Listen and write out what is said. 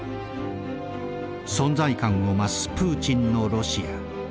存在感を増すプーチンのロシア。